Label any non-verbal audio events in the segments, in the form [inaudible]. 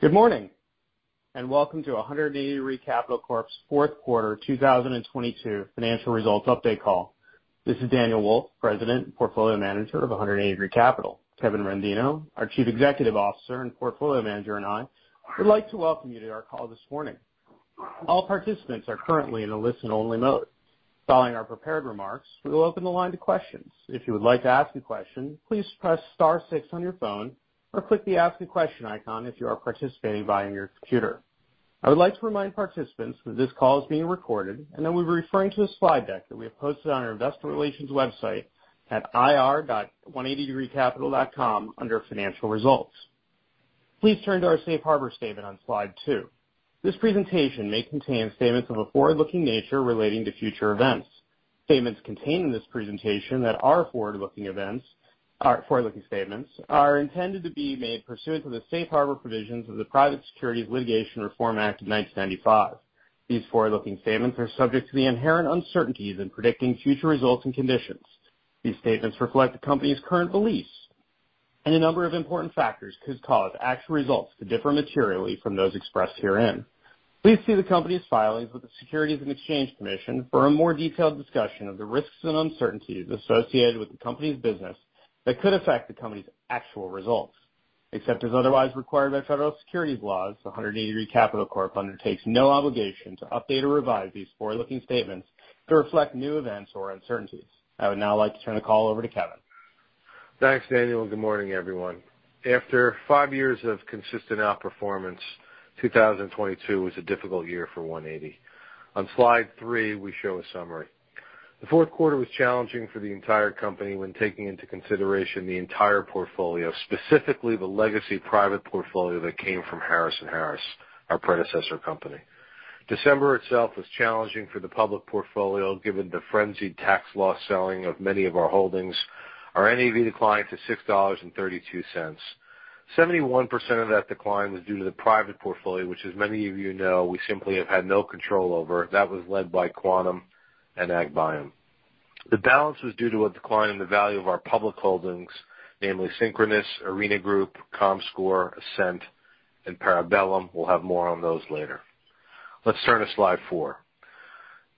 Good morning, welcome to 180 Degree Capital Corp's Fourth Quarter 2022 Financial Results Update Call. This is Daniel Wolfe, President and Portfolio Manager of 180 Degree Capital. Kevin Rendino, our Chief Executive Officer and Portfolio Manager, I would like to welcome you to our call this morning. All participants are currently in a listen-only mode. Following our prepared remarks, we will open the line to questions. If you would like to ask a question, please press star six on your phone or click the Ask a Question icon if you are participating via your computer. I would like to remind participants that this call is being recorded, and that we're referring to a slide deck that we have posted on our investor relations website at ir.180degreecapital.com under Financial Results. Please turn to our safe harbor statement on slide two. This presentation may contain statements of a forward-looking nature relating to future events. Statements contained in this presentation that are forward-looking statements are intended to be made pursuant to the Safe Harbor provisions of the Private Securities Litigation Reform Act of 1995. These forward-looking statements are subject to the inherent uncertainties in predicting future results and conditions. These statements reflect the company's current beliefs, and a number of important factors could cause actual results to differ materially from those expressed herein. Please see the company's filings with the Securities and Exchange Commission for a more detailed discussion of the risks and uncertainties associated with the company's business that could affect the company's actual results. Except as otherwise required by federal securities laws, 180 Degree Capital Corp. undertakes no obligation to update or revise these forward-looking statements to reflect new events or uncertainties. I would now like to turn the call over to Kevin. Thanks, Daniel. Good morning, everyone. After five years of consistent outperformance, 2022 was a difficult year for 180. On slide three, we show a summary. The fourth quarter was challenging for the entire company when taking into consideration the entire portfolio, specifically the legacy private portfolio that came from Harris & Harris, our predecessor company. December itself was challenging for the public portfolio, given the frenzied tax law selling of many of our holdings. Our NAV declined to $6.32. 71% of that decline was due to the private portfolio, which, as many of you know, we simply have had no control over. That was led by Quantum and AgBiome. The balance was due to a decline in the value of our public holdings, namely Synchronoss, Arena Group, Comscore, Ascent, and Parabellum. We'll have more on those later. Let's turn to slide four,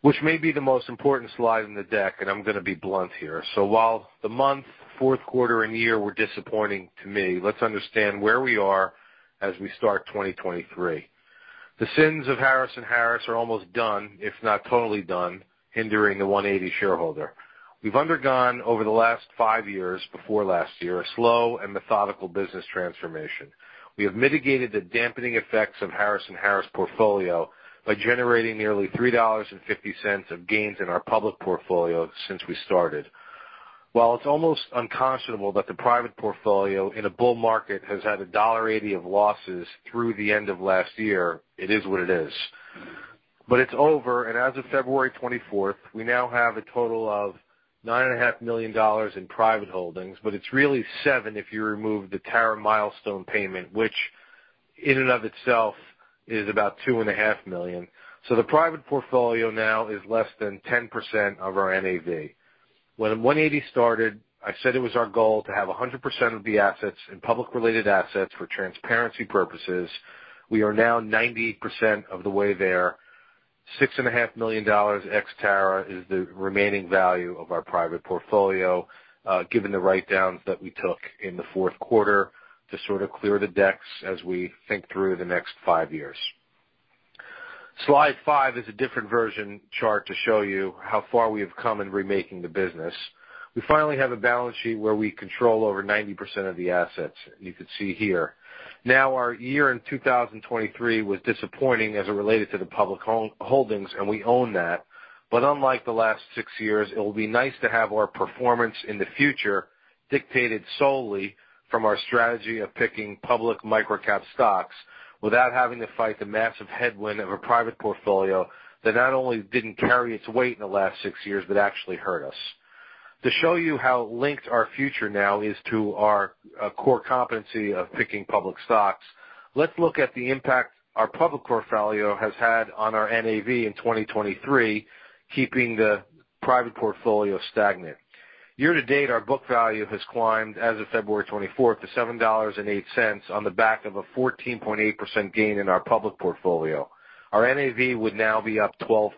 which may be the most important slide in the deck, and I'm gonna be blunt here. While the month, fourth quarter, and year were disappointing to me, let's understand where we are as we start 2023. The sins of Harris & Harris are almost done, if not totally done, hindering the 180 shareholder. We've undergone, over the last five years, before last year, a slow and methodical business transformation. We have mitigated the dampening effects of Harris & Harris portfolio by generating nearly $3.50 of gains in our public portfolio since we started. While it's almost unconscionable that the private portfolio in a bull market has had $1.80 of losses through the end of last year, it is what it is. It's over, as of February 24th, we now have a total of nine and a half million dollars in private holdings, it's really $7 million if you remove the TARA milestone payment, which in and of itself is about two and a half million. The private portfolio now is less than 10% of our NAV. When 180 started, I said it was our goal to have 100% of the assets in public-related assets for transparency purposes. We are now 90% of the way there. Six and a half million dollars ex TARA is the remaining value of our private portfolio, given the write-downs that we took in the fourth quarter to sort of clear the decks as we think through the next five years. Slide five is a different version chart to show you how far we have come in remaking the business. We finally have a balance sheet where we control over 90% of the assets, you can see here. Our year in 2023 was disappointing as it related to the public holdings, and we own that. Unlike the last six years, it will be nice to have our performance in the future dictated solely from our strategy of picking public microcap stocks without having to fight the massive headwind of a private portfolio that not only didn't carry its weight in the last six years, but actually hurt us. To show you how linked our future now is to our core competency of picking public stocks, let's look at the impact our public portfolio has had on our NAV in 2023, keeping the private portfolio stagnant. Year to date, our book value has climbed, as of February 24th, to $7.08 on the back of a 14.8% gain in our public portfolio. Our NAV would now be up 12%.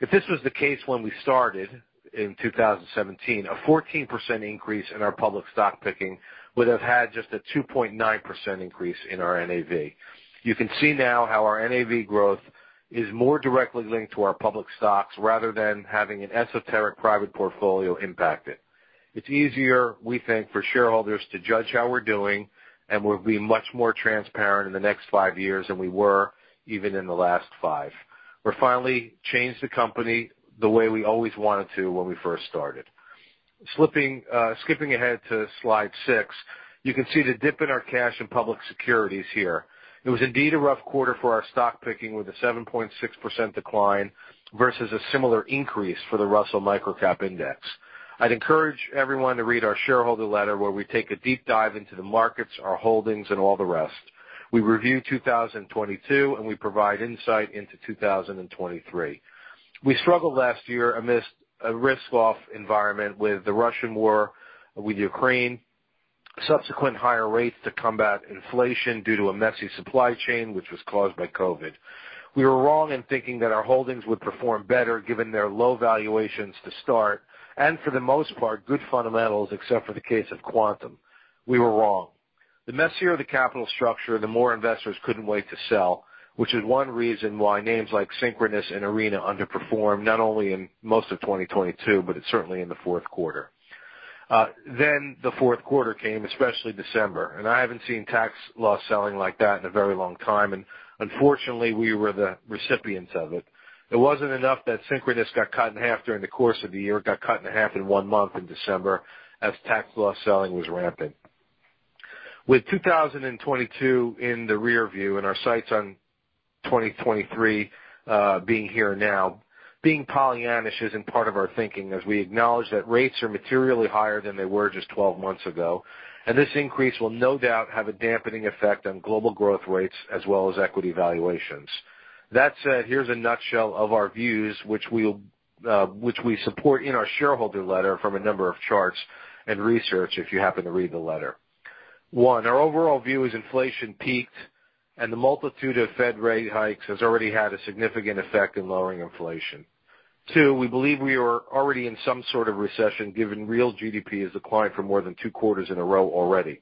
If this was the case when we started in 2017, a 14% increase in our public stock picking would have had just a 2.9% increase in our NAV. You can see now how our NAV growth is more directly linked to our public stocks rather than having an esoteric private portfolio impact it. It's easier, we think, for shareholders to judge how we're doing, and we'll be much more transparent in the next five years than we were even in the last five. We're finally changed the company the way we always wanted to when we first started. Slipping, skipping ahead to slide six, you can see the dip in our cash and public securities here. It was indeed a rough quarter for our stock picking, with a 7.6% decline versus a similar increase for the Russell Microcap Index. I'd encourage everyone to read our shareholder letter, where we take a deep dive into the markets, our holdings, and all the rest. We review 2022, and we provide insight into 2023. We struggled last year amidst a risk-off environment with the Russian war with Ukraine, subsequent higher rates to combat inflation due to a messy supply chain, which was caused by COVID. We were wrong in thinking that our holdings would perform better, given their low valuations to start, and for the most part, good fundamentals, except for the case of Quantum. We were wrong. The messier the capital structure, the more investors couldn't wait to sell, which is one reason why names like Synchronoss and Arena underperformed, not only in most of 2022, but certainly in the fourth quarter. The fourth quarter came, especially December, I haven't seen tax law selling like that in a very long time. Unfortunately, we were the recipients of it. It wasn't enough that Synchronoss got cut in half during the course of the year, it got cut in half in one month in December as tax law selling was rampant. With 2022 in the rear view and our sights on 2023, being here now, being Pollyannish isn't part of our thinking as we acknowledge that rates are materially higher than they were just 12 months ago. This increase will no doubt have a dampening effect on global growth rates as well as equity valuations. Here's a nutshell of our views, which we'll support in our shareholder letter from a number of charts and research, if you happen to read the letter. One, our overall view is inflation peaked and the multitude of Fed rate hikes has already had a significant effect in lowering inflation. Two, we believe we are already in some sort of recession given real GDP has declined for more than two quarters in a row already.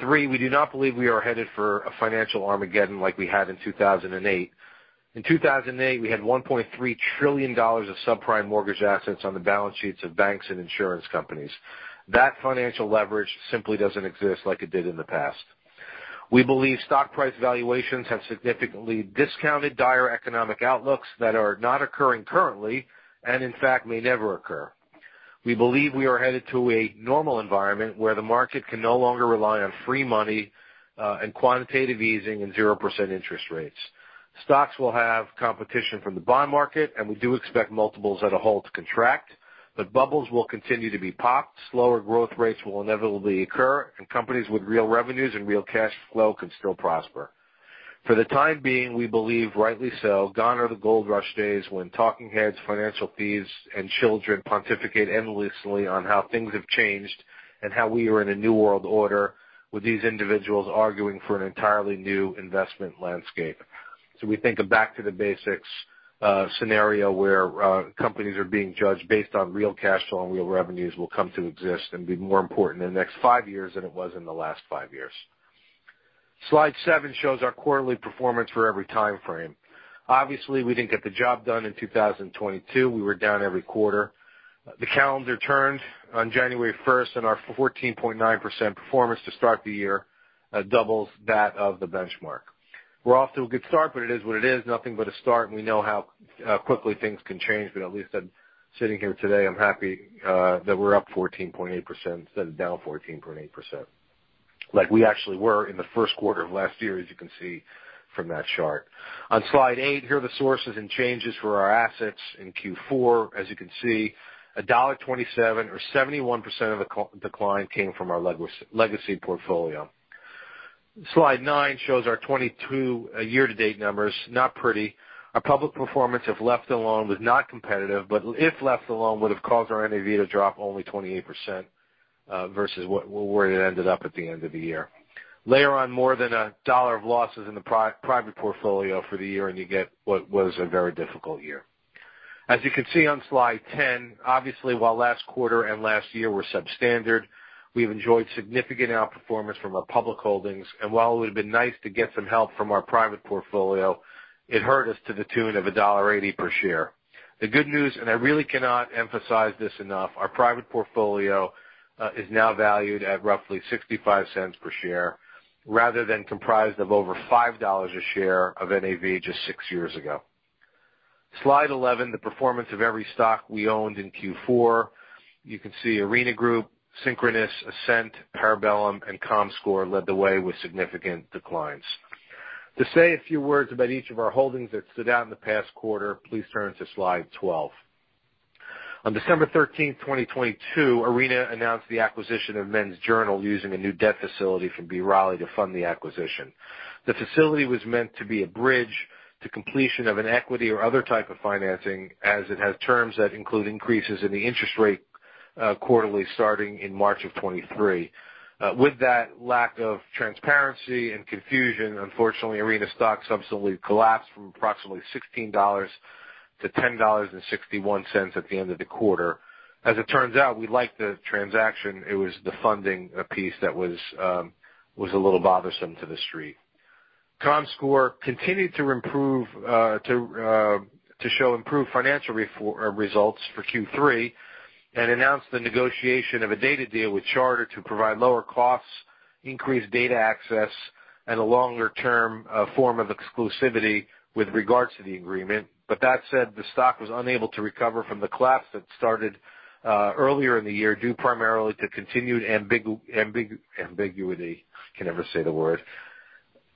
Three, we do not believe we are headed for a financial Armageddon like we had in 2008. In 2008, we had $1.3 trillion of subprime mortgage assets on the balance sheets of banks and insurance companies. That financial leverage simply doesn't exist like it did in the past. We believe stock price valuations have significantly discounted dire economic outlooks that are not occurring currently, and in fact, may never occur. We believe we are headed to a normal environment where the market can no longer rely on free money, and quantitative easing and 0% interest rates. Stocks will have competition from the bond market, and we do expect multiples at a whole to contract. Bubbles will continue to be popped, slower growth rates will inevitably occur, and companies with real revenues and real cash flow can still prosper. For the time being, we believe rightly so, gone are the gold rush days when talking heads, financial fees, and children pontificate endlessly on how things have changed and how we are in a new world order with these individuals arguing for an entirely new investment landscape. We think a back to the basics scenario where companies are being judged based on real cash flow and real revenues will come to exist and be more important in the next five years than it was in the last five years. Slide seven shows our quarterly performance for every time frame. Obviously, we didn't get the job done in 2022. We were down every quarter. The calendar turned on January 1st, and our 14.9% performance to start the year, doubles that of the benchmark. We're off to a good start, but it is what it is, nothing but a start, and we know how quickly things can change. At least I'm sitting here today, I'm happy that we're up 14.8% instead of down 14.8%. Like we actually were in the first quarter of last year, as you can see from that chart. On slide eight, here are the sources and changes for our assets in Q4. As you can see, $1.27 or 71% of the decline came from our legacy portfolio. Slide nine shows our 22 year-to-date numbers. Not pretty. Our public performance, if left alone, was not competitive, but if left alone, would have caused our NAV to drop only 28% versus where it ended up at the end of the year. Layer on more than $1 of losses in the private portfolio for the year, and you get what was a very difficult year. As you can see on slide 10, obviously, while last quarter and last year were substandard, we've enjoyed significant outperformance from our public holdings. While it would have been nice to get some help from our private portfolio, it hurt us to the tune of $1.80 per share. The good news, and I really cannot emphasize this enough, our private portfolio is now valued at roughly $0.65 per share, rather than comprised of over $5 a share of NAV just six years ago. Slide 11, the performance of every stock we owned in Q4. You can see Arena Group, Synchronoss, Ascent, Parabellum, and Comscore led the way with significant declines. To say a few words about each of our holdings that stood out in the past quarter, please turn to slide 12. On December 13th, 2022, Arena announced the acquisition of Men's Journal using a new debt facility from B. Riley to fund the acquisition. The facility was meant to be a bridge to completion of an equity or other type of financing, as it has terms that include increases in the interest rate, quarterly starting in March of 2023. With that lack of transparency and confusion, unfortunately, Arena stock subsequently collapsed from approximately $16-$10.61 at the end of the quarter. As it turns out, we like the transaction. It was the funding piece that was a little bothersome to The Street. Comscore continued to improve to show improved financial results for Q3 and announced the negotiation of a data deal with Charter to provide lower costs, increased data access, and a longer-term form of exclusivity with regards to the agreement. That said, the stock was unable to recover from the collapse that started earlier in the year, due primarily to continued ambiguity. I can never say the word.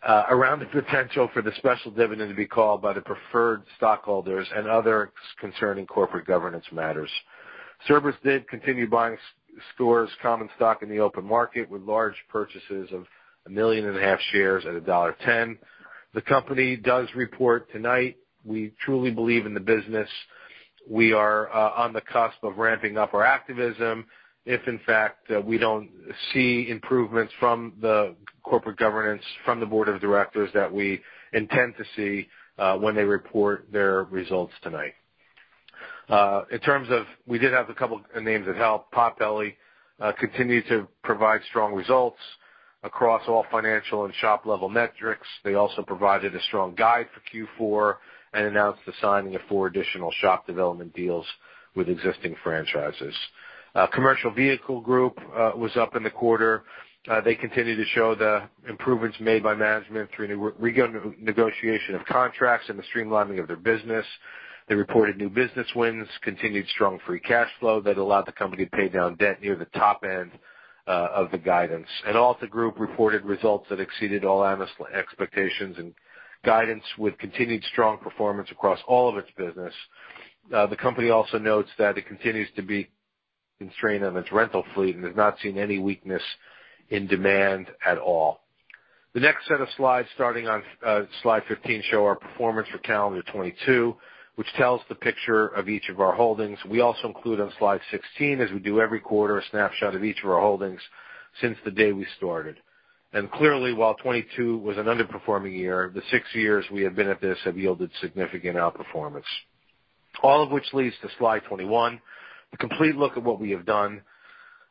Around the potential for the special dividend to be called by the preferred stockholders and other concerning corporate governance matters. Service did continue buying common stock in the open market with large purchases of 1.5 million shares at $1.10. The company does report tonight. We truly believe in the business. We are on the cusp of ramping up our activism. If in fact, we don't see improvements from the corporate governance from the board of directors that we intend to see when they report their results tonight. In terms of we did have a couple of names that help. Potbelly continued to provide strong results across all financial and shop-level metrics. They also provided a strong guide for Q4 and announced the signing of four additional shop development deals with existing franchises. Commercial Vehicle Group was up in the quarter. They continued to show the improvements made by management through re-negotiation of contracts and the streamlining of their business. They reported new business wins, continued strong free cash flow that allowed the company to pay down debt near the top end of the guidance. Alta Group reported results that exceeded all analyst expectations and guidance with continued strong performance across all of its business. The company also notes that it continues to be constrained on its rental fleet and has not seen any weakness in demand at all. The next set of slides, starting on slide 15, show our performance for calendar 2022, which tells the picture of each of our holdings. We also include on slide 16, as we do every quarter, a snapshot of each of our holdings since the day we started. Clearly, while 2022 was an underperforming year, the six years we have been at this have yielded significant outperformance, all of which leads to slide 21. The complete look at what we have done.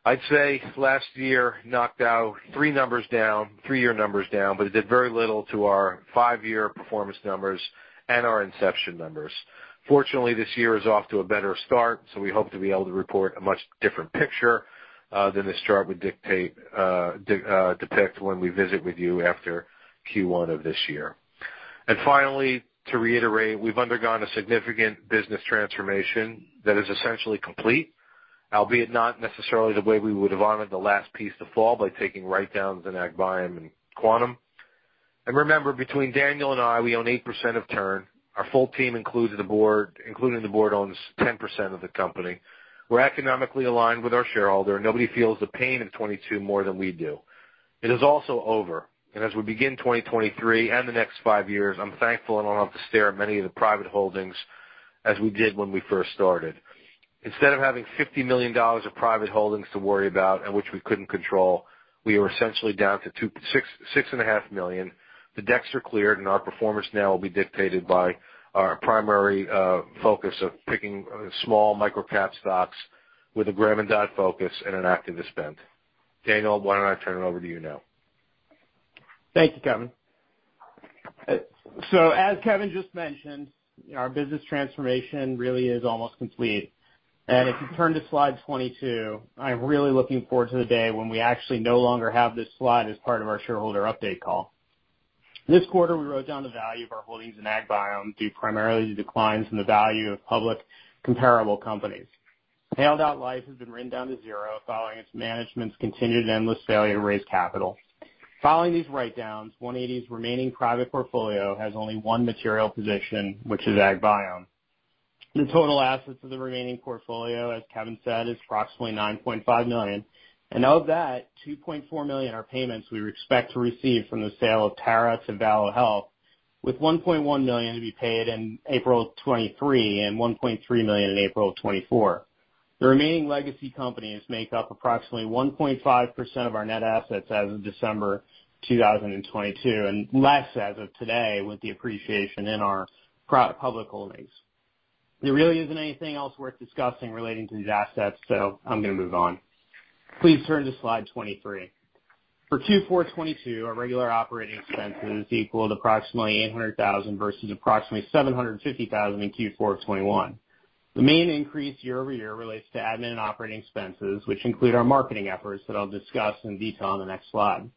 I'd say last year knocked out three numbers down, three-year numbers down, but it did very little to our five-year performance numbers and our inception numbers. Fortunately, this year is off to a better start, so we hope to be able to report a much different picture than this chart would dictate, depict when we visit with you after Q1 of this year. Finally, to reiterate, we've undergone a significant business transformation that is essentially complete, albeit not necessarily the way we would have wanted the last piece to fall by taking write-downs in AgBiome and Quantum. Remember, between Daniel and I, we own 8% of TURN. Our full team, including the board, owns 10% of the company. We're economically aligned with our shareholder. Nobody feels the pain of 2022 more than we do. It is also over. As we begin 2023 and the next five years, I'm thankful I don't have to stare at many of the private holdings as we did when we first started. Instead of having $50 million of private holdings to worry about and which we couldn't control, we were essentially down to $6.5 million. The decks are cleared and our performance now will be dictated by our primary focus of picking small micro-cap stocks with a Graham and Dodd focus and an activist bent. Daniel, why don't I turn it over to you now? Thank you, Kevin. As Kevin just mentioned, our business transformation really is almost complete. If you turn to slide 22, I'm really looking forward to the day when we actually no longer have this slide as part of our shareholder update call. This quarter, we wrote down the value of our holdings in AgBiome due primarily to declines in the value of public comparable companies. Tailed Out Life has been written down to zero following its management's continued endless failure to raise capital. Following these write-downs, 180's remaining private portfolio has only one material position, which is AgBiome. The total assets of the remaining portfolio, as Kevin said, is approximately $9.5 million. Of that, $2.4 million are payments we expect to receive from the sale of TARA to Valo Health, with $1.1 million to be paid in April 2023 and $1.3 million in April 2024. The remaining legacy companies make up approximately 1.5% of our net assets as of December 2022, and less as of today with the appreciation in our public holdings. There really isn't anything else worth discussing relating to these assets, so I'm gonna move on. Please turn to slide 23. For Q4 2022, our regular operating expenses equaled approximately $800,000 versus approximately $750,000 in Q4 2021. The main increase year-over-year relates to admin and operating expenses, which include our marketing efforts that I'll discuss in detail on the next slide.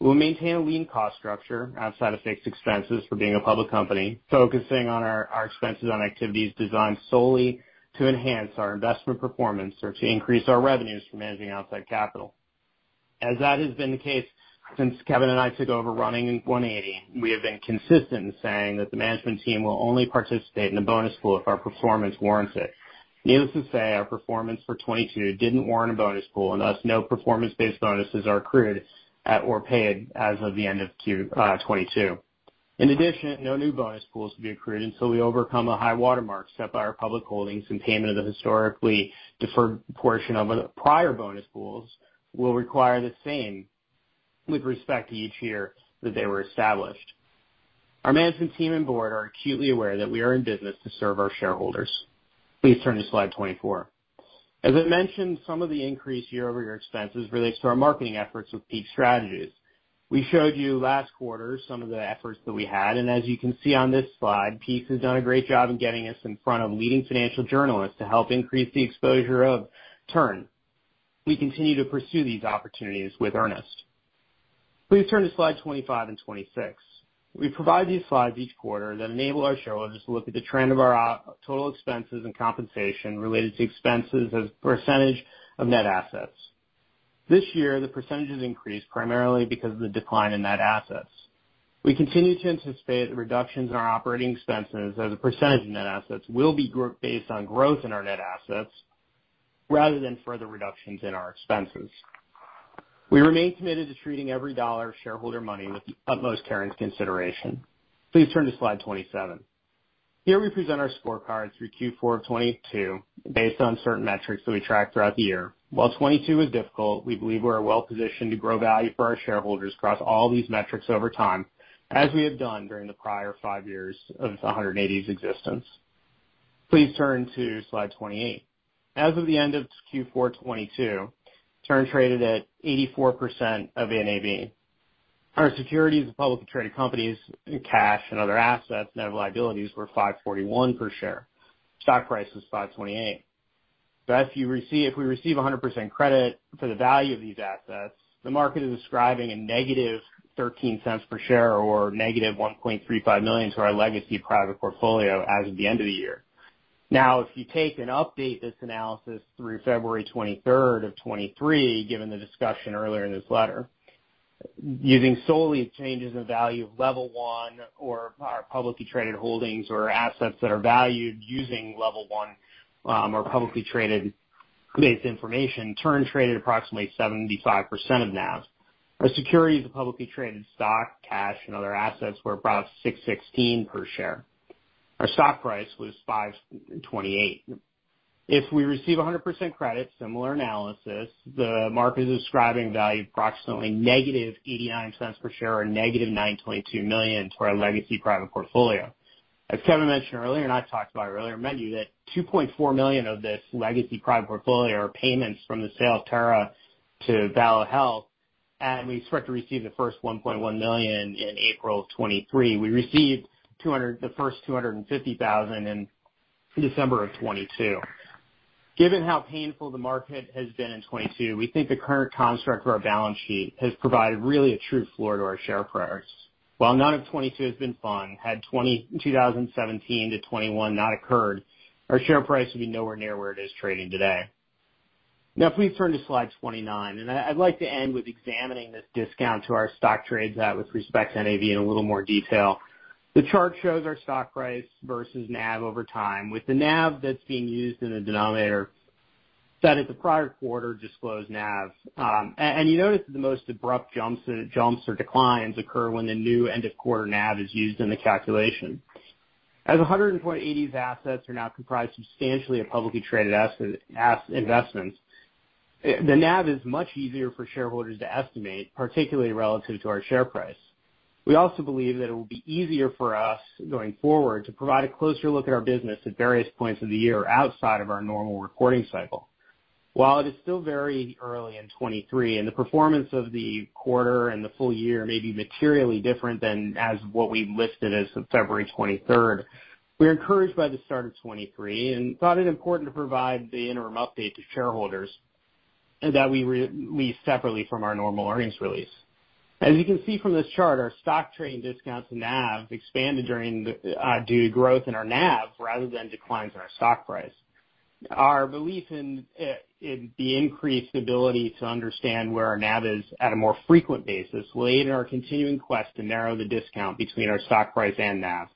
We'll maintain a lean cost structure outside of fixed expenses for being a public company, focusing on our expenses on activities designed solely to enhance our investment performance or to increase our revenues from managing outside capital. As that has been the case since Kevin and I took over running 180, we have been consistent in saying that the management team will only participate in a bonus pool if our performance warrants it. Needless to say, our performance for 2022 didn't warrant a bonus pool and thus no performance-based bonuses are accrued at or paid as of the end of Q 2022. In addition, no new bonus pools will be accrued until we overcome a high watermark set by our public holdings and payment of the historically deferred portion of a prior bonus pools will require the same with respect to each year that they were established. Our management team and board are acutely aware that we are in business to serve our shareholders. Please turn to slide 24. As I mentioned, some of the increase year-over-year expenses relates to our marketing efforts with Peak Strategies. We showed you last quarter some of the efforts that we had, and as you can see on this slide, Peak has done a great job in getting us in front of leading financial journalists to help increase the exposure of TURN. We continue to pursue these opportunities with earnest. Please turn to slide 25 and 26. We provide these slides each quarter that enable our shareholders to look at the trend of our total expenses and compensation related to expenses as a percentage of net assets. This year, the percentages increased primarily because of the decline in net assets. We continue to anticipate the reductions in our operating expenses as a % of net assets will be based on growth in our net assets rather than further reductions in our expenses. We remain committed to treating every dollar of shareholder money with the utmost care and consideration. Please turn to slide 27. Here we present our scorecard through Q4 of 2022 based on certain metrics that we track throughout the year. While 2022 was difficult, we believe we're well-positioned to grow value for our shareholders across all these metrics over time, as we have done during the prior five years of 180's existence. Please turn to slide 28. As of the end of Q4 2022, TURN traded at 84% of NAV. Our securities of publicly traded companies in cash and other assets, net of liabilities, were $5.41 per share. Stock price was $5.28. If we receive 100% credit for the value of these assets, the market is ascribing a negative $0.13 per share or negative $1.35 million to our legacy private portfolio as of the end of the year. If you take and update this analysis through February 23rd, 2023, given the discussion earlier in this letter, using solely changes in value of level one or our publicly traded holdings or assets that are valued using level one, or publicly traded-based information, TURN traded approximately 75% of NAV. Our securities of publicly traded stock, cash, and other assets were about $6.16 per share. Our stock price was $5.28. If we receive 100% credit, similar analysis, the market is ascribing value approximately negative $0.89 per share or negative $9.22 million to our legacy private portfolio. As Kevin mentioned earlier, I've talked about earlier, remind you that $2.4 million of this legacy private portfolio are payments from the sale of TARA to Valo Health, we expect to receive the first $1.1 million in April of 2023. We received the first $250,000 in December of 2022. Given how painful the market has been in 2022, we think the current construct of our balance sheet has provided really a true floor to our share price. While none of 2022 has been fun, had 2017 to 2021 not occurred, our share price would be nowhere near where it is trading today. Please turn to slide 29. I'd like to end with examining this discount to our stock trades at with respect to NAV in a little more detail. The chart shows our stock price versus NAV over time, with the NAV that's being used in the denominator set at the prior quarter disclosed NAV. You notice that the most abrupt jumps or declines occur when the new end of quarter NAV is used in the calculation. As 180's assets are now comprised substantially of publicly traded investments, the NAV is much easier for shareholders to estimate, particularly relative to our share price. We also believe that it will be easier for us going forward to provide a closer look at our business at various points of the year outside of our normal reporting cycle. While it is still very early in 2023, and the performance of the quarter and the full year may be materially different than as what we listed as of February 23rd, we're encouraged by the start of 2023 and thought it important to provide the interim update to shareholders and that we re-release separately from our normal earnings release. As you can see from this chart, our stock trading discount to NAV expanded during the due to growth in our NAV rather than declines in our stock price. Our belief in the increased ability to understand where our NAV is at a more frequent basis will aid in our continuing quest to narrow the discount between our stock price and NAV.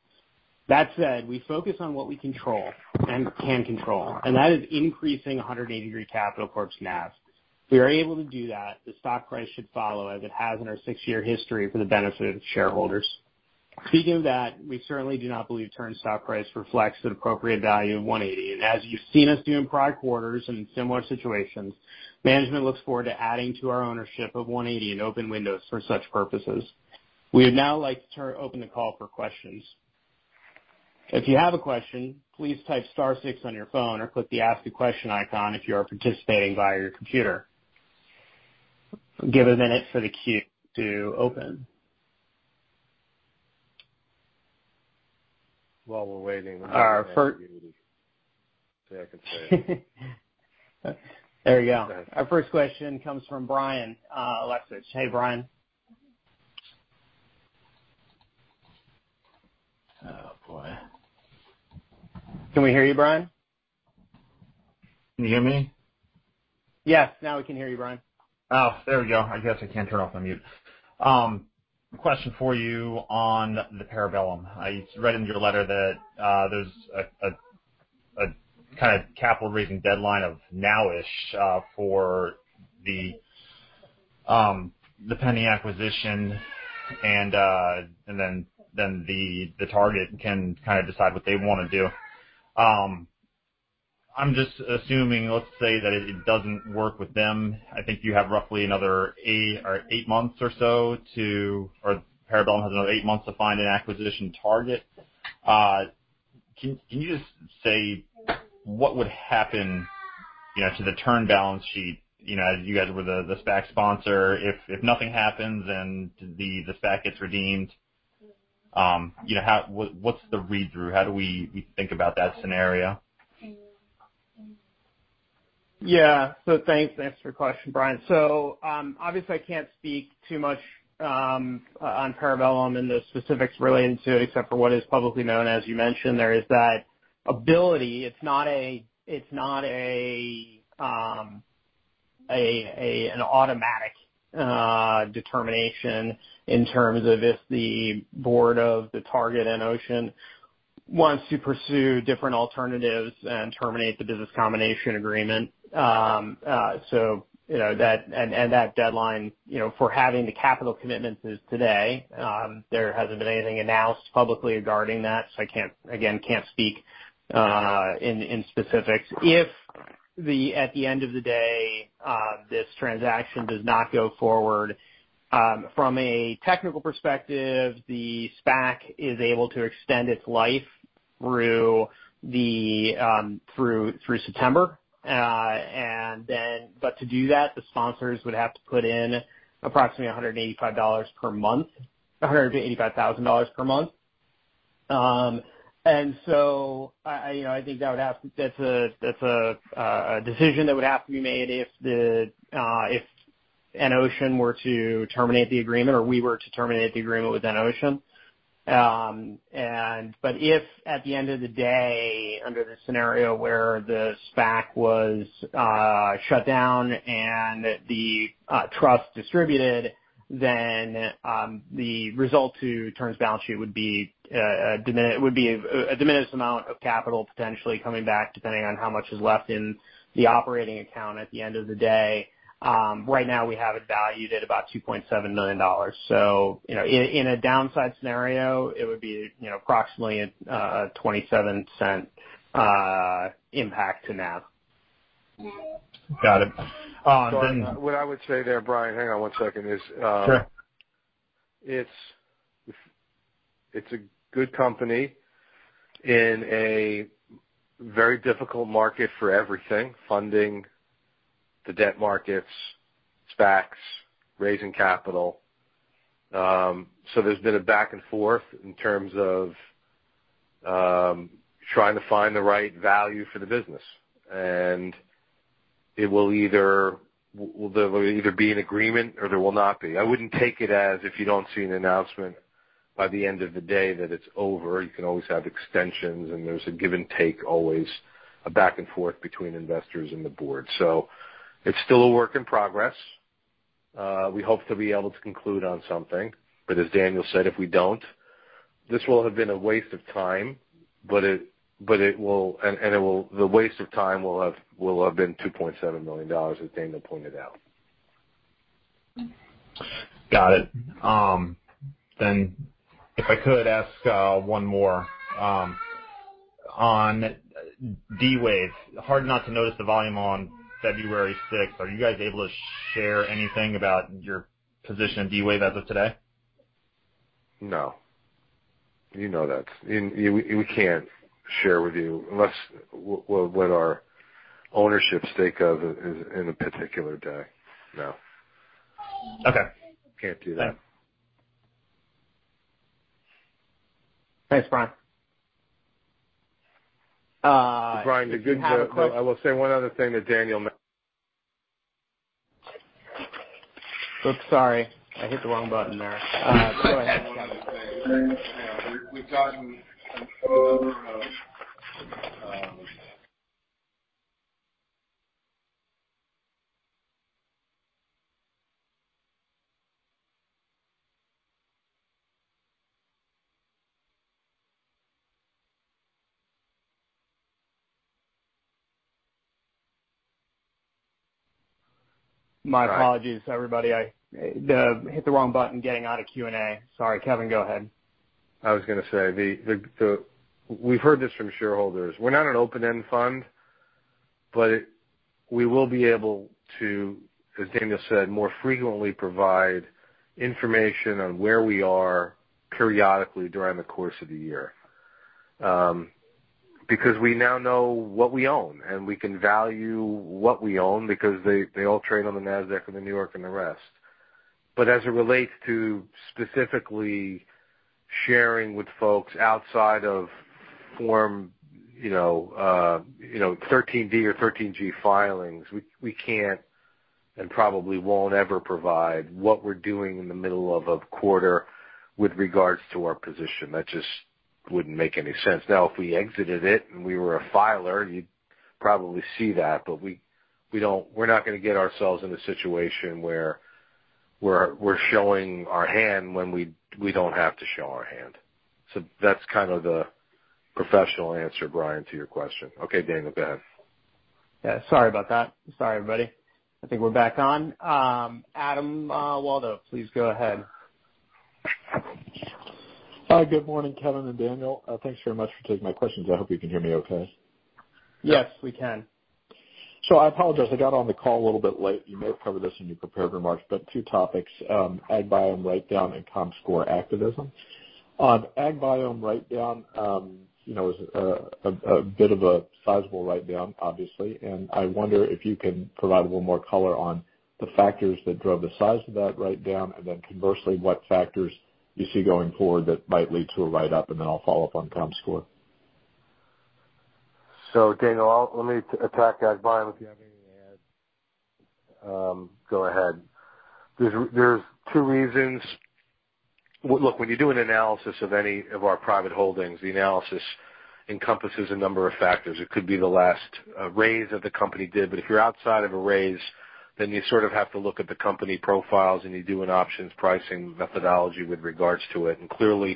That said, we focus on what we control and can control, and that is increasing 180 Degree Capital Corp.'s NAV. If we are able to do that, the stock price should follow as it has in our six-year history for the benefit of shareholders. Speaking of that, we certainly do not believe TURN stock price reflects an appropriate value of 180. As you've seen us do in prior quarters and in similar situations, management looks forward to adding to our ownership of 180 in open windows for such purposes. We would now like to open the call for questions. If you have a question, please type star six on your phone or click the Ask a Question icon if you are participating via your computer. Give a minute for the queue to open. While we're waiting. Our fir- See if I can say it. There we go. Okay. Our first question comes from Brian Alexic. Hey, Brian. Oh, boy. Can we hear you, Brian? Can you hear me? Yes. Now we can hear you, Brian. There we go. I guess I can turn off the mute. Question for you on the Parabellum. I read in your letter that there's a kinda capital raising deadline of now-ish for the pending acquisition and then the target can kinda decide what they wanna do. I'm just assuming, let's say that it doesn't work with them. I think you have roughly another eight or eight months or so to or Parabellum has another 8 months to find an acquisition target. Can you just say what would happen, you know, to the TURN balance sheet, you know, as you guys were the SPAC sponsor, if nothing happens and the SPAC gets redeemed, you know, how what's the read-through? How do we think about that scenario? Thanks. Thanks for your question, Brian. Obviously I can't speak too much on Parabellum in the specifics relating to except for what is publicly known, as you mentioned, there is that ability. It's not a, it's not an automatic determination in terms of if the board of the target EnOcean wants to pursue different alternatives and terminate the business combination agreement. You know that and that deadline, you know, for having the capital commitments is today. There hasn't been anything announced publicly regarding that, I can't, again, can't speak in specifics. At the end of the day, this transaction does not go forward, from a technical perspective, the SPAC is able to extend its life through September. To do that, the sponsors would have to put in approximately $185 per month, $185,000 per month. I, you know, I think that's a decision that would have to be made if EnOcean were to terminate the agreement or we were to terminate the agreement with EnOcean. If at the end of the day, under the scenario where the SPAC was shut down and the trust distributed, the result to TURN's balance sheet would be it would be a diminished amount of capital potentially coming back, depending on how much is left in the operating account at the end of the day. Right now we have it valued at about $2.7 million. You know, in a downside scenario, it would be, you know, approximately, a $0.27 impact to NAV. Got it. Sorry. What I would say there, Brian, hang on one second, is, Sure It's a good company in a very difficult market for everything, funding the debt markets, SPACs, raising capital. There's been a back and forth in terms of trying to find the right value for the business. It will either, there either be an agreement or there will not be. I wouldn't take it as if you don't see an announcement by the end of the day that it's over. You can always have extensions, and there's a give and take, always a back and forth between investors and the board. It's still a work in progress. We hope to be able to conclude on something, but as Daniel said, if we don't, this will have been a waste of time. It will and it will the waste of time will have been $2.7 million, as Daniel pointed out. Got it. If I could ask one more on D-Wave. Hard not to notice the volume on February 6th. Are you guys able to share anything about your position on D-Wave as of today? No. You know that. You, we can't share with you unless what our ownership stake of in a particular day, no. Okay. Can't do that. Thanks, Brian. if you have a. Brian, I will say one other thing that Daniel. Oops, sorry. I hit the wrong button there. Go ahead. One other thing. You know, we've gotten a number of. My apologies, everybody. I hit the wrong button getting out of Q&A. Sorry, Kevin, go ahead. We've heard this from shareholders. We're not an open-end fund, we will be able to, as Daniel said, more frequently provide information on where we are periodically during the course of the year. Because we now know what we own, and we can value what we own because they all trade on the Nasdaq and the New York and the rest. As it relates to specifically sharing with folks outside of form, you know, Schedule 13D or Schedule 13G filings, we can't and probably won't ever provide what we're doing in the middle of a quarter with regards to our position. That just wouldn't make any sense. If we exited it and we were a filer, you'd probably see that. We don't we're not gonna get ourselves in a situation where we're showing our hand when we don't have to show our hand. That's kind of the professional answer, Brian, to your question. Okay, Daniel, go ahead. Yeah. Sorry about that. Sorry, everybody. I think we're back on. Adam Waldo, please go ahead. Hi. Good morning, Kevin and Daniel. Thanks very much for taking my questions. I hope you can hear me okay. Yes, we can. I apologize. I got on the call a little bit late. You may have covered this in your prepared remarks, but two topics, AgBiome write-down and Comscore activism. On AgBiome write-down, you know, is a bit of a sizable write-down obviously, and I wonder if you can provide a little more color on the factors that drove the size of that write-down, and then conversely, what factors you see going forward that might lead to a write-up, and then I'll follow up on Comscore. Daniel, let me attack AgBiome. If you have anything to add, go ahead. There's two reasons. When you do an analysis of any of our private holdings, the analysis encompasses a number of factors. It could be the last raise that the company did, but if you're outside of a raise, then you sort of have to look at the company profiles, and you do an options pricing methodology with regards to it. Clearly,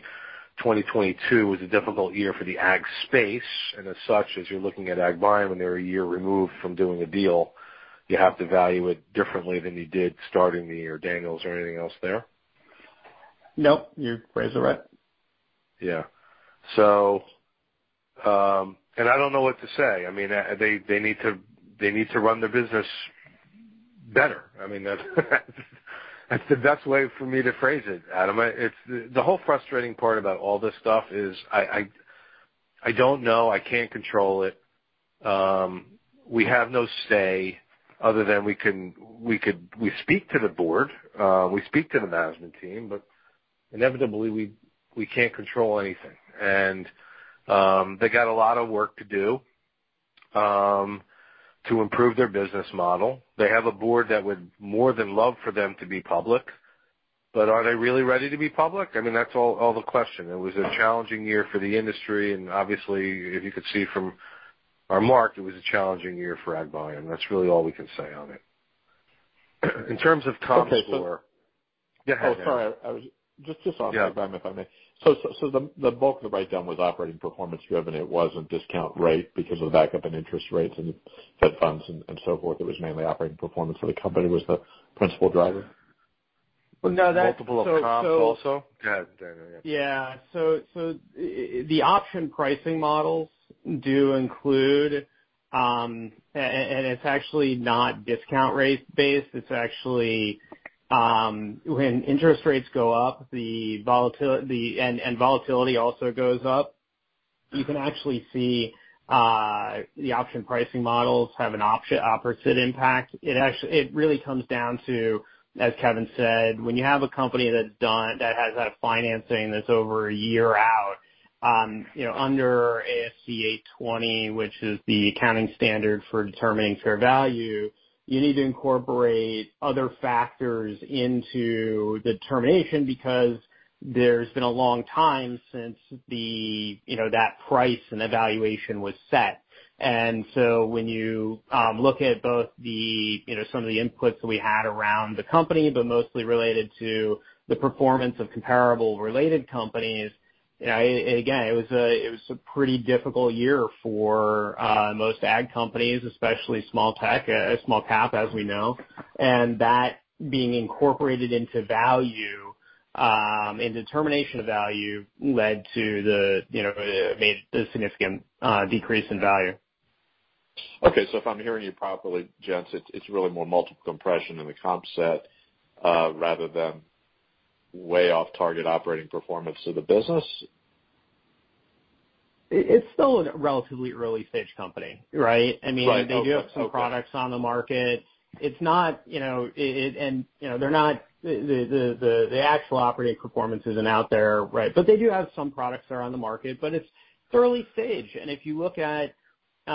2022 was a difficult year for the ag space, and as such, as you're looking at AgBiome and they're a year removed from doing a deal, you have to value it differently than you did starting the year. Daniel, is there anything else there? Nope. You phrase it right. Yeah. I don't know what to say. I mean, they need to run their business better. I mean, that's the best way for me to phrase it, Adam. It's... The whole frustrating part about all this stuff is I don't know. I can't control it. We have no say other than we speak to the board, we speak to the management team, but inevitably we can't control anything. They got a lot of work to do to improve their business model. They have a board that would more than love for them to be public, but are they really ready to be public? I mean, that's all the question. It was a challenging year for the industry, and obviously, if you could see from our mark, it was a challenging year for AgBiome. That's really all we can say on it. In terms of Comscore. [audio distortion] Oh, sorry. Just on AgBiome, if I may. Yeah. The bulk of the write down was operating performance driven. It wasn't discount rate because of the backup in interest rates and Fed funds and so forth. It was mainly operating performance for the company was the principal driver. No, that's so. Multiple of comps also. Go ahead, Daniel, yeah. The option pricing models do include, and it's actually not discount rate based. It's actually, when interest rates go up, the volatility and volatility also goes up, you can actually see, the option pricing models have an opposite impact. It really comes down to, as Kevin said, when you have a company that has that financing that's over a year out, you know, under ASC 820, which is the accounting standard for determining fair value, you need to incorporate other factors into the determination because there's been a long time since the, you know, that price and the valuation was set. When you look at both the, you know, some of the inputs we had around the company, but mostly related to the performance of comparable related companies, you know, again, it was a pretty difficult year for most ag companies, especially small tech, small cap, as we know. That being incorporated into value and determination of value led to the, you know, made the significant decrease in value. If I'm hearing you properly, gents, it's really more multiple compression in the comp set, rather than way off target operating performance of the business. It's still a relatively early stage company, right? I mean- Right. Okay. They do have some products on the market. It's not, you know. You know, they're not the actual operating performance isn't out there, right. They do have some products that are on the market, but it's early stage. If you look at, you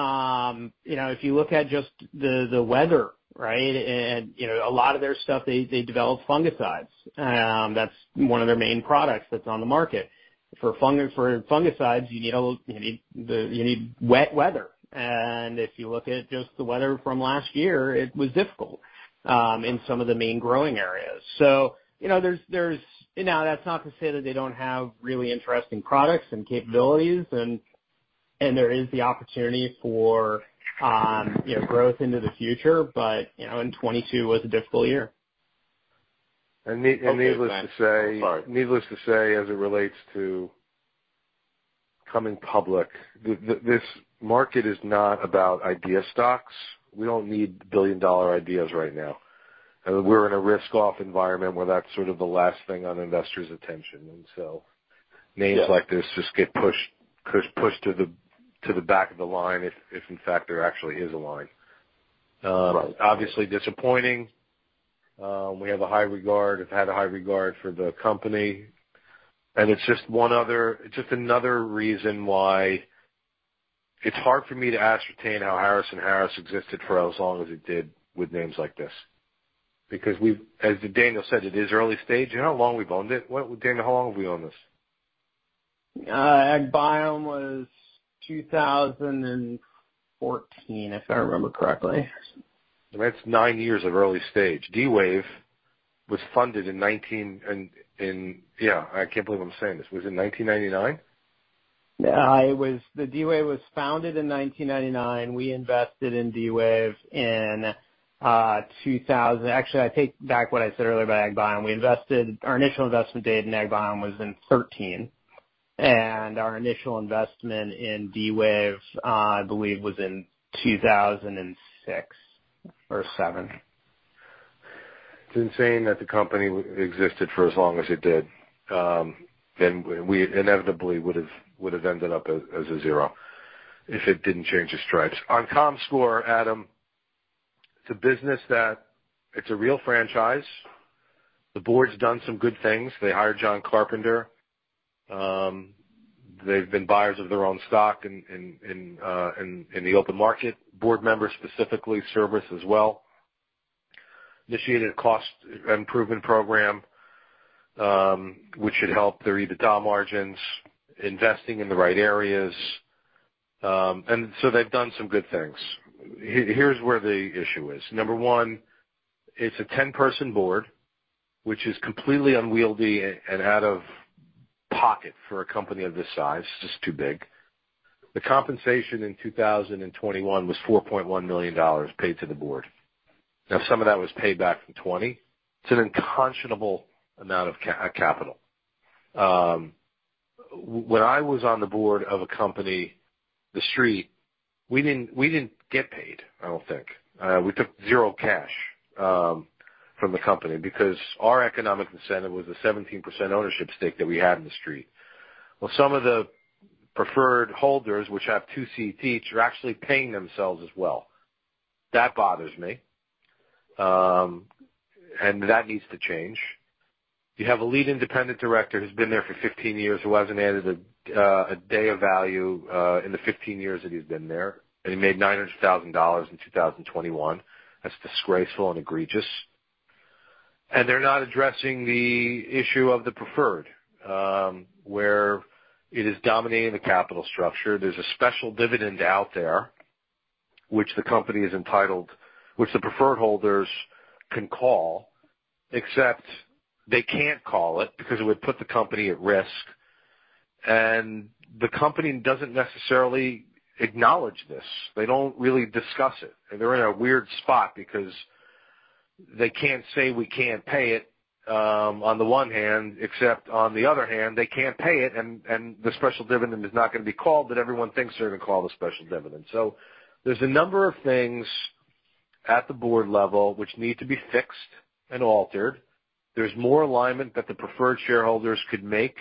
know, if you look at just the weather, right? You know, a lot of their stuff, they develop fungicides. That's one of their main products that's on the market. For fungicides, you know, you need the, you need wet weather. If you look at just the weather from last year, it was difficult in some of the main growing areas. You know, there's... That's not to say that they don't have really interesting products and capabilities and there is the opportunity for, you know, growth into the future. You know, 2022 was a difficult year. Needless to say. Sorry. Needless to say, as it relates to coming public, this market is not about idea stocks. We don't need billion-dollar ideas right now. We're in a risk off environment where that's sort of the last thing on investors' attention. Names like this just get pushed to the back of the line, if in fact there actually is a line. Obviously disappointing. We have a high regard, have had a high regard for the company, and it's just another reason why it's hard for me to ascertain how Harris & Harris existed for as long as it did with names like this. As Daniel said, it is early stage. You know how long we've owned it? Daniel, how long have we owned this? AgBiome was 2014, if I remember correctly. That's nine years of early stage. D-Wave was funded. Yeah, I can't believe I'm saying this. Was it 1999? It was. The D-Wave was founded in 1999. We invested in D-Wave in 2000. Actually, I take back what I said earlier about AgBiome. Our initial investment date in AgBiome was in 2013, and our initial investment in D-Wave, I believe was in 2006 or 2007. It's insane that the company existed for as long as it did. We inevitably would've ended up as a zero if it didn't change its stripes. On Comscore, Adam. It's a business that it's a real franchise. The board's done some good things. They hired John Carpenter. They've been buyers of their own stock in the open market. Board members, specifically, Service as well. Initiated a cost improvement program, which should help their EBITDA margins, investing in the right areas. They've done some good things. Here's where the issue is. Number one, it's a 10-person board, which is completely unwieldy and out of pocket for a company of this size. It's just too big. The compensation in 2021 was $4.1 million paid to the board. Now, some of that was paid back from 2020. It's an unconscionable amount of capital. When I was on the board of a company, TheStreet, we didn't, we didn't get paid, I don't think. We took zero cash from the company because our economic incentive was a 17% ownership stake that we had in TheStreet. Some of the preferred holders, which have two seats each, are actually paying themselves as well. That bothers me. That needs to change. You have a lead independent director who's been there for 15 years, who hasn't added a day of value in the 15 years that he's been there, and he made $900,000 in 2021. That's disgraceful and egregious. They're not addressing the issue of the preferred where it is dominating the capital structure. There's a special dividend out there which the company is entitled, which the preferred holders can call, except they can't call it because it would put the company at risk. The company doesn't necessarily acknowledge this. They don't really discuss it. They're in a weird spot because they can't say we can't pay it, on the one hand, except on the other hand, they can't pay it, and the special dividend is not gonna be called, but everyone thinks they're gonna call the special dividend. There's a number of things at the board level which need to be fixed and altered. There's more alignment that the preferred shareholders could make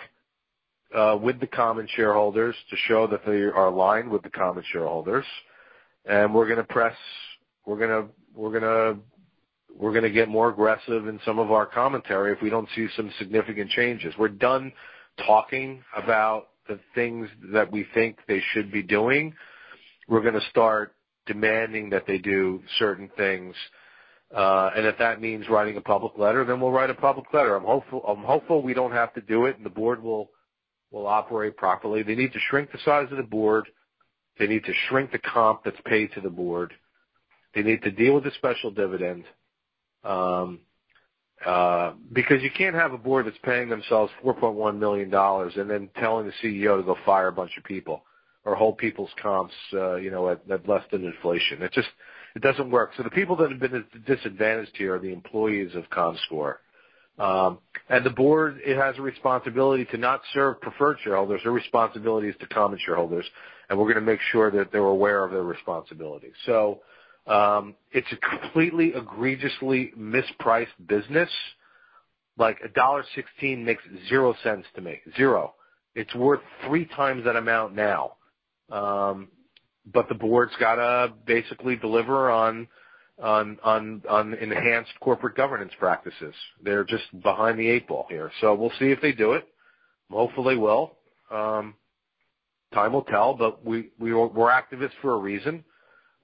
with the common shareholders to show that they are aligned with the common shareholders. We're gonna press. We're gonna get more aggressive in some of our commentary if we don't see some significant changes. We're done talking about the things that we think they should be doing. We're gonna start demanding that they do certain things. If that means writing a public letter, then we'll write a public letter. I'm hopeful we don't have to do it, and the board will operate properly. They need to shrink the size of the board. They need to shrink the comp that's paid to the board. They need to deal with the special dividend, because you can't have a board that's paying themselves $4.1 million and then telling the CEO to go fire a bunch of people or hold people's comps, you know, at less than inflation. It just, it doesn't work. The people that have been at a disadvantage here are the employees of Comscore. The board, it has a responsibility to not serve preferred shareholders. Their responsibility is to common shareholders, we're gonna make sure that they're aware of their responsibility. It's a completely egregiously mispriced business. Like $1.16 makes zero sense to me. Zero. It's worth 3x that amount now. The board's gotta basically deliver on enhanced corporate governance practices. They're just behind the eight-ball here. We'll see if they do it. Hopefully, they will. Time will tell, but we're activists for a reason.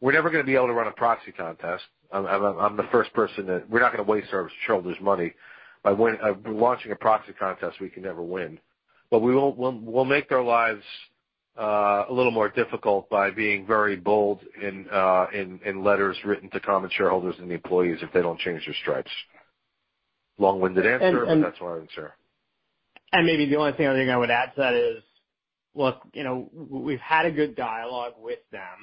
We're never gonna be able to run a proxy contest. We're not gonna waste our shareholders' money by launching a proxy contest we can never win. We will, we'll make their lives a little more difficult by being very bold in letters written to common shareholders and the employees if they don't change their stripes. Long-winded answer. And, and- That's our answer. Maybe the only other thing I would add to that is, look, you know, we've had a good dialogue with them.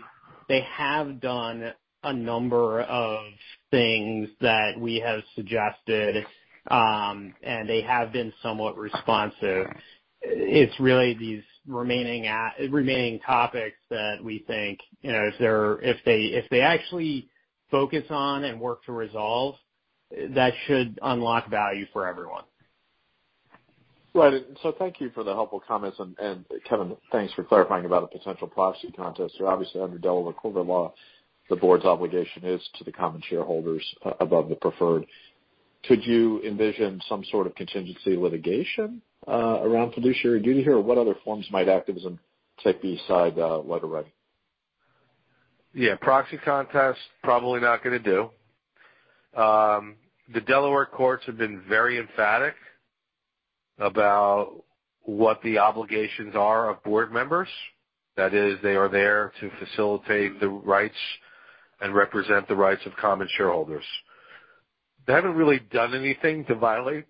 They have done a number of things that we have suggested, and they have been somewhat responsive. It's really these remaining topics that we think, you know, if they actually focus on and work to resolve, that should unlock value for everyone. Thank you for the helpful comments. Kevin, thanks for clarifying about a potential proxy contest. Obviously under Delaware corporate law, the board's obligation is to the common shareholders above the preferred. Could you envision some sort of contingency litigation around fiduciary duty here? What other forms might activism take beside letter writing? Yeah, proxy contest, probably not gonna do. The Delaware courts have been very emphatic about what the obligations are of board members. That is, they are there to facilitate the rights and represent the rights of common shareholders. They haven't really done anything to violate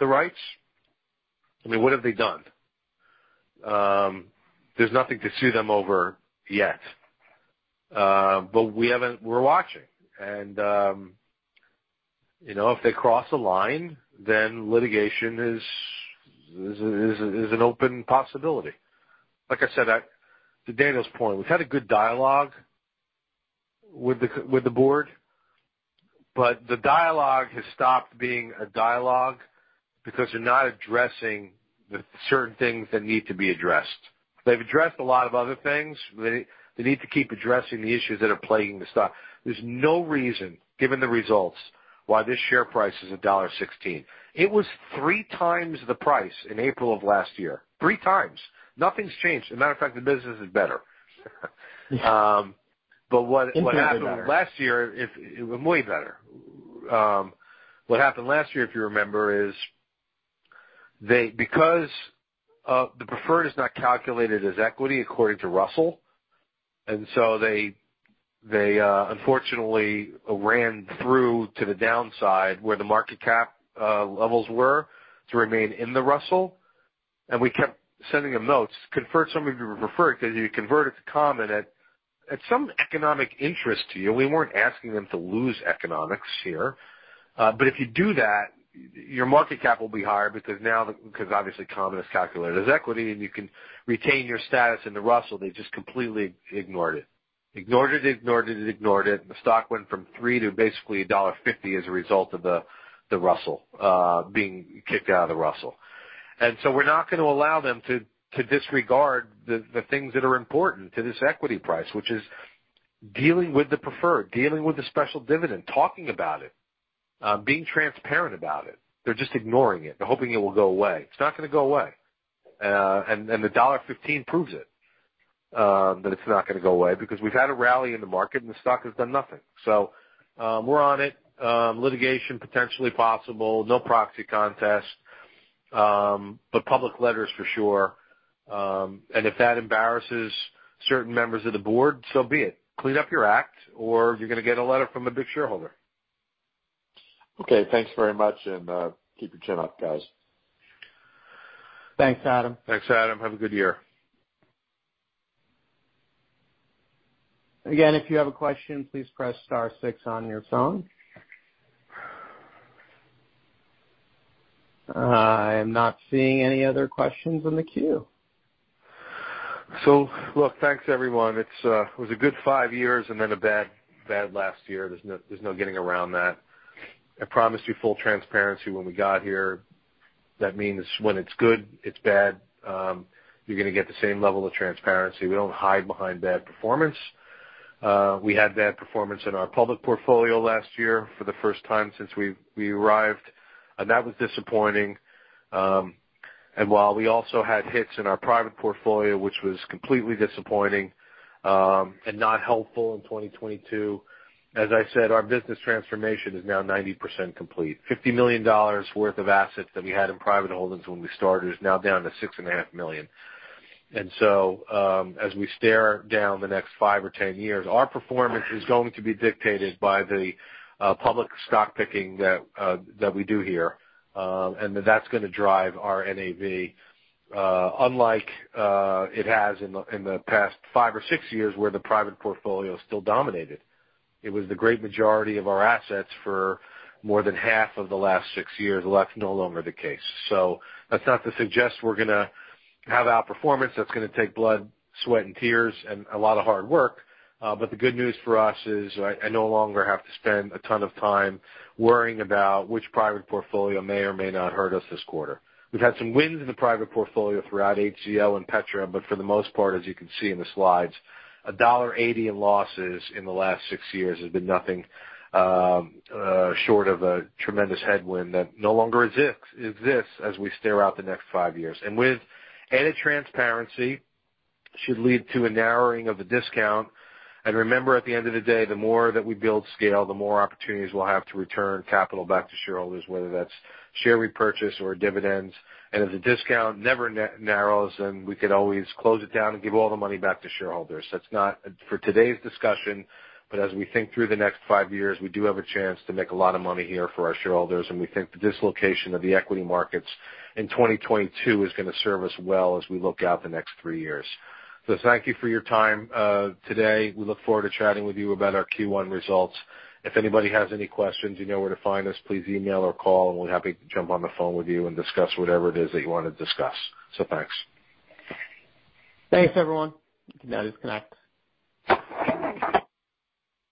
the rights. I mean, what have they done? There's nothing to sue them over yet. But we haven't... We're watching. You know, if they cross a line, then litigation is an open possibility. Like I said, to Daniel's point, we've had a good dialogue with the board. The dialogue has stopped being a dialogue because they're not addressing the certain things that need to be addressed. They've addressed a lot of other things. They, they need to keep addressing the issues that are plaguing the stock. There's no reason, given the results, why this share price is $1.16. It was 3x the price in April of last year. 3x. Nothing's changed. As a matter of fact, the business is better. Immeasurably better. Way better. What happened last year, if you remember, is they because the preferred is not calculated as equity according to Russell, so they unfortunately ran through to the downside where the market cap levels were to remain in the Russell. We kept sending them notes. Convert some of your preferred, 'cause you convert it to common at some economic interest to you. We weren't asking them to lose economics here. If you do that, your market cap will be higher because now because obviously common is calculated as equity, and you can retain your status in the Russell. They just completely ignored it. Ignored it. The stock went from three to basically $1.50 as a result of the Russell being kicked out of the Russell. We're not gonna allow them to disregard the things that are important to this equity price, which is dealing with the preferred, dealing with the special dividend, talking about it, being transparent about it. They're just ignoring it. They're hoping it will go away. It's not gonna go away. The $1.15 proves it that it's not gonna go away, because we've had a rally in the market and the stock has done nothing. We're on it. Litigation potentially possible, no proxy contest, but public letters for sure. If that embarrasses certain members of the board, so be it. Clean up your act or you're gonna get a letter from a big shareholder. Thanks very much and, keep your chin up, guys. Thanks, Adam. Thanks, Adam. Have a good year. If you have a question, please press star six on your phone. I am not seeing any other questions in the queue. Look, thanks everyone. It's, it was a good five years and then a bad last year. There's no getting around that. I promised you full transparency when we got here. That means when it's good, it's bad, you're gonna get the same level of transparency. We don't hide behind bad performance. We had bad performance in our public portfolio last year for the first time since we arrived, and that was disappointing. While we also had hits in our private portfolio, which was completely disappointing, and not helpful in 2022. As I said, our business transformation is now 90% complete. $50 million worth of assets that we had in private holdings when we started is now down to $6.5 million. As we stare down the next five or 10 years, our performance is going to be dictated by the public stock picking that we do here. That's gonna drive our NAV, unlike it has in the past five or six years, where the private portfolio still dominated. It was the great majority of our assets for more than half of the last six years. That's no longer the case. That's not to suggest we're gonna have outperformance. That's gonna take blood, sweat and tears and a lot of hard work. The good news for us is I no longer have to spend a ton of time worrying about which private portfolio may or may not hurt us this quarter. We've had some wins in the private portfolio throughout HGL and Petram, but for the most part, as you can see in the slides, $1.80 in losses in the last six years has been nothing short of a tremendous headwind that no longer exists as we stare out the next five years. With added transparency should lead to a narrowing of the discount. Remember, at the end of the day, the more that we build scale, the more opportunities we'll have to return capital back to shareholders, whether that's share repurchase or dividends. If the discount never narrows, then we could always close it down and give all the money back to shareholders. That's not for today's discussion, but as we think through the next five years, we do have a chance to make a lot of money here for our shareholders. We think the dislocation of the equity markets in 2022 is gonna serve us well as we look out the next three years. Thank you for your time today. We look forward to chatting with you about our Q1 results. If anybody has any questions, you know where to find us. Please email or call and we'll be happy to jump on the phone with you and discuss whatever it is that you wanna discuss. Thanks. Thanks, everyone. You can now disconnect.